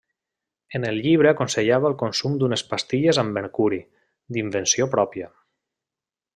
En el llibre aconsellava el consum d'unes pastilles amb mercuri, d'invenció pròpia.